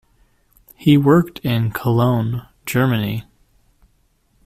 He worked in Cologne, Germany.